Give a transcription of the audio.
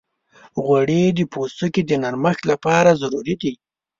غوړې د پوستکي د نرمښت لپاره ضروري دي.